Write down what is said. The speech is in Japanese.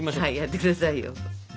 はいやってくださいよ。